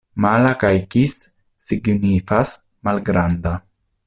Mala kaj kis signifas: malgranda.